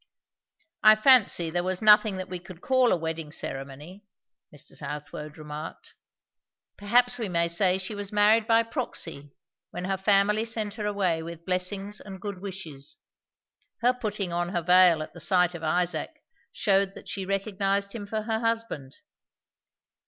"I fancy there was nothing that we could call a wedding ceremony," Mr. Southwode remarked. "Perhaps we may say she was married by proxy, when her family sent her away with blessings and good wishes. Her putting on her veil at the sight of Isaac shewed that she recognized him for her husband."